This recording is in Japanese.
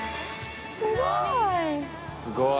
すごい！